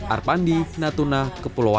arpandi natuna kepulauan riau